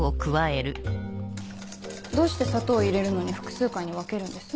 どうして砂糖を入れるのに複数回に分けるんです？